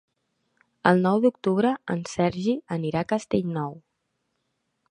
El nou d'octubre en Sergi anirà a Castellnou.